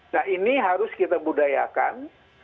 nah ini harus kita budayakan